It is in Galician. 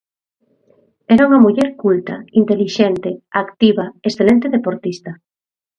Era unha muller culta, intelixente, activa, excelente deportista.